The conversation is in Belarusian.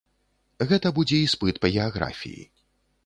Гэта будзе іспыт па геаграфіі.